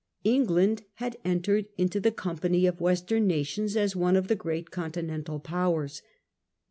England had entered into the company of Western nations as one of the great Continental powers.